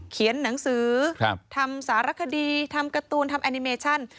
เขียนหนังสือทำสารคดีทำการ์ตูนทำแอนิเมชั่น